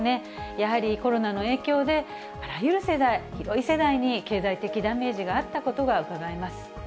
やはりコロナの影響で、あらゆる世代、広い世代に経済的ダメージがあったことがうかがえます。